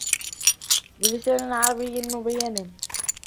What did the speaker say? بِلِسانٍ عَرَبِيٍّ مُبينٍ